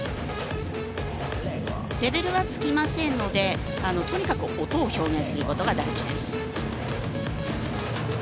レベルはつきませんのでとにかく音を表現することが大事です。